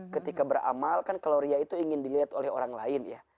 ketika beramal kan gloria itu ingin dilihat oleh orang lain ya